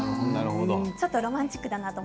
ちょっとロマンチックだなと。